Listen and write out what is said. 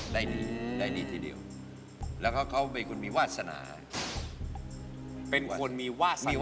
ได้เยี่ยมนะคือได้ทีเดียว